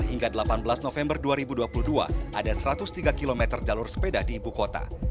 hingga delapan belas november dua ribu dua puluh dua ada satu ratus tiga km jalur sepeda di ibu kota